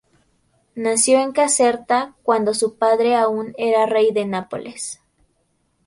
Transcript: Nació en Caserta, cuando su padre aun era rey de Nápoles.